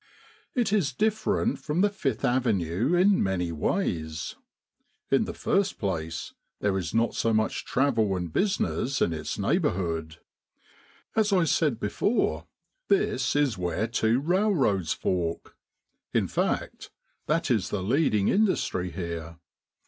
It is different from the Fifth Avenue in many ways. In the first place there is not so much travel and business in its neighborhood. As I said before, this is where two railroads fork. In fact, that is the leading industry here.